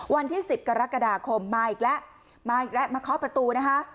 วันที่๑๐กรกฎาคมมาอีกแล้วมาอีกแล้วมาเคาะประตูนะคะ